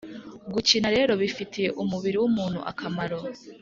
gukina rero bifitiye umubiri w’umuntu akamaro